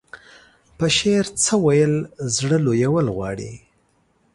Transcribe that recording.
په شعر څه ويل زړه لويول غواړي.